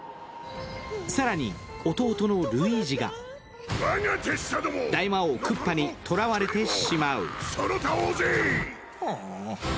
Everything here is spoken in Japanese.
更に、弟のルイージが大魔王クッパに捕らわれてしまう。